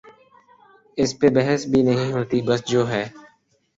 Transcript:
اس پہ بحث بھی نہیں ہوتی بس جو ہے۔